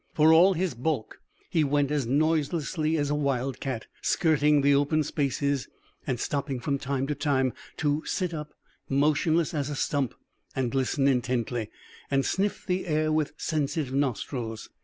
For all his bulk, he went as noiselessly as a wild cat, skirting the open spaces, and stopping from time to time to sit up, motionless as a stump, and listen intently, and sniff the air with sensitive nostrils.